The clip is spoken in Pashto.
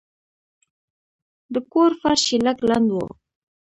د کور فرش یې لږ لند و.